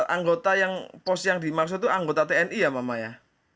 anggota yang pos yang dimaksud itu anggota tni ya mama ya